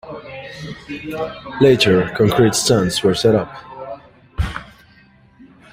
Later, concrete stands were set up.